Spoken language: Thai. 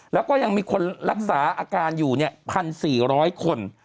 แล้วก็ยังมีคนรักษาอาการอยู่๑๔๐๐คน